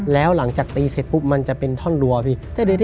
แล้วหลังจากตีเสร็จปุ๊บมันจะเป็นท่อนรัวพี่